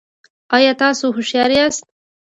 ایا تاسو هوښیار یاست؟